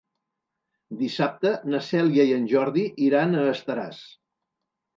Dissabte na Cèlia i en Jordi iran a Estaràs.